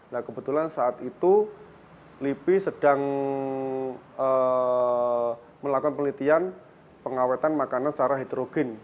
nah kebetulan saat itu lipi sedang melakukan penelitian pengawetan makanan secara hidrogen